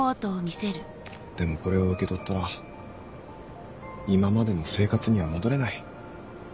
でもこれを受け取ったら今までの生活には戻れない。